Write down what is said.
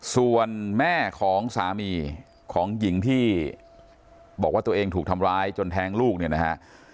ส่วนแม่ของสามีของหญิงที่บอกว่าตัวเองถูกทำร้ายจนแท้งลูกเนี่ยนะฮะ